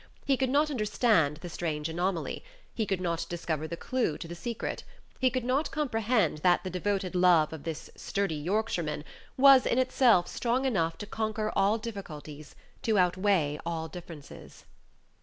He could not understand the strange anomaly; he could not discover the clew to the secret; he could not comprehend that the devoted love of this sturdy Yorkshireman was in itself strong enough to conquer all difficulties, to outweigh all differences.